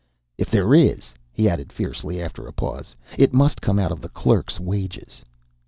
"If there is," he added fiercely, after a pause, "it must come out of the clerk's wages."